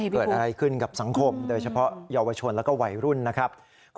เกิดอะไรขึ้นกับสังคมโดยเฉพาะเยาวชนแล้วก็วัยรุ่นนะครับ